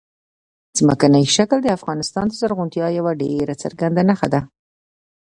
ځمکنی شکل د افغانستان د زرغونتیا یوه ډېره څرګنده نښه ده.